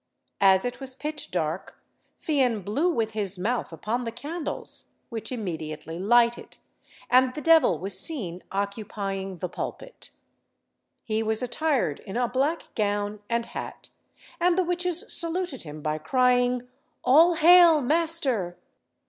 As it was pitch dark, Fian blew with his mouth upon the candles, which immediately lighted, and the devil was seen occupying the pulpit. He was attired in a black gown and hat, and the witches saluted him by crying "All hail, master!"